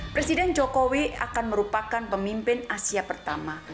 presiden jokowi akan merupakan pemimpin asia pertama